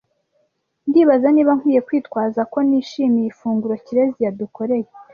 Ndibaza niba nkwiye kwitwaza ko nishimiye ifunguro Kirezi yadukoreye.